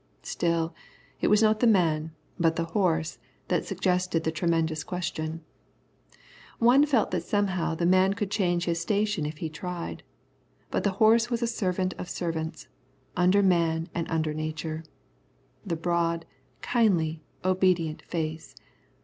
Still it was not the man, but the horse, that suggested the tremendous question. One felt that somehow the man could change his station if he tried, but the horse was a servant of servants, under man and under nature. The broad, kindly, obedient face!